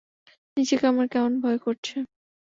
নিজেকে আমার কেমন ভয় করছে।